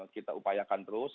kita upayakan terus